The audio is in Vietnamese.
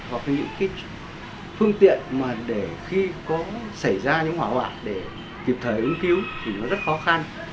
hoặc là những cái phương tiện mà để khi có xảy ra những hỏa hoạ để kịp thời ứng cứu thì nó rất khó khăn